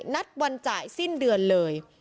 นัดวันจ่ายสิ้นเดือนเลย